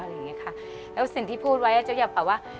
แล้วสิ่งที่พูดไว้เจ้าอย่าแบบว่า